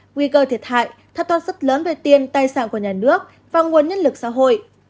nguy cơ thiệt hại thất thoát rất lớn về tiền tài sản của nhà nước và nguồn nhân lực xã hội